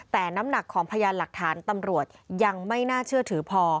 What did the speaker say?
แต่น้ำหนักของพยานหลักฐานตำรวจยังไม่น่าเชื่อถือพอ